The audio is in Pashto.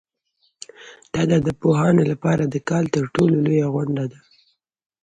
دا د ادبپوهانو لپاره د کال تر ټولو لویه غونډه ده.